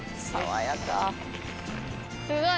すごい。